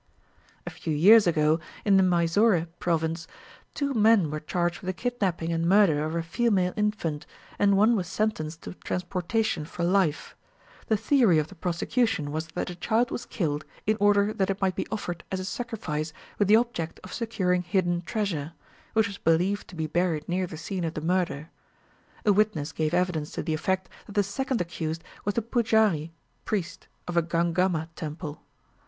A few years ago, in the Mysore Province, two men were charged with the kidnapping and murder of a female infant, and one was sentenced to transportation for life. The theory of the prosecution was that the child was killed, in order that it might be offered as a sacrifice with the object of securing hidden treasure, which was believed to be buried near the scene of the murder. A witness gave evidence to the effect that the second accused was the pujari (priest) of a Gangamma temple.